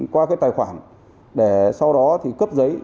qua cái tài khoản để sau đó thì cấp giấy